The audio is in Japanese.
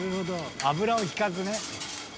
油を引かずね。